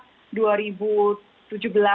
sejak dua ribu tujuh belas akhir gitu ya